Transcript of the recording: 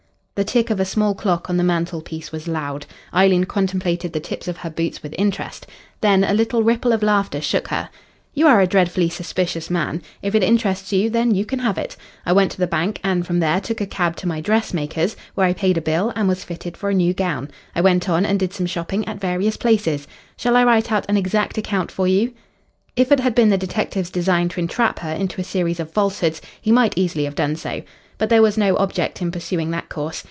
The tick of a small clock on the mantelpiece was loud. Eileen contemplated the tips of her boots with interest. Then a little ripple of laughter shook her. "You are a dreadfully suspicious man. If it interests you, then, you can have it. I went to the bank, and from there took a cab to my dressmaker's, where I paid a bill and was fitted for a new gown. I went on and did some shopping at various places. Shall I write out an exact account for you?" If it had been the detective's design to entrap her into a series of falsehoods he might easily have done so. But there was no object in pursuing that course.